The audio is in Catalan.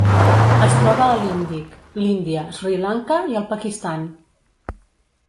Es troba a l'Índic: l'Índia, Sri Lanka i el Pakistan.